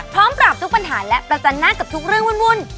พร้อมปราบทุกปัญหาและประจันหน้ากับทุกเรื่องวุ่น